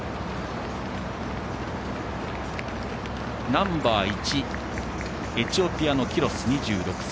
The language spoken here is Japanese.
ナンバー１エチオピアのキロス、２６歳。